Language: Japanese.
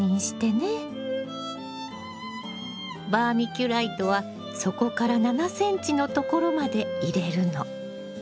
バーミキュライトは底から７ｃｍのところまで入れるの。